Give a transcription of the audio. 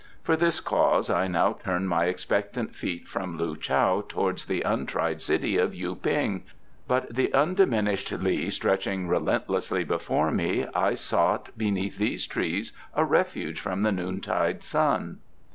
For this cause I now turn my expectant feet from Loo chow towards the untried city of Yu ping, but the undiminished li stretching relentlessly before me, I sought beneath these trees a refuge from the noontide sun."